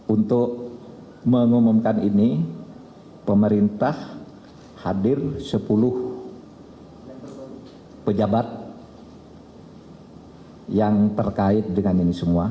untuk mengumumkan ini pemerintah hadir sepuluh pejabat yang terkait dengan ini semua